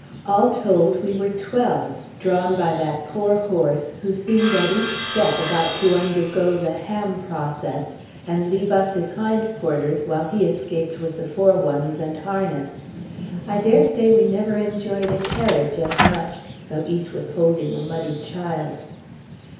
All told, we were twelve, drawn by that poor horse, who seemed at each step about to undergo the ham process, and leave us his hind quarters, while he escaped with the fore ones and harness. I dare say we never enjoyed a carriage as much, though each was holding a muddy child.